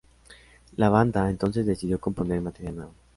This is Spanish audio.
La banda, entonces, decidió componer material nuevo.